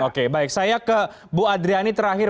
oke baik saya ke bu adriani terakhir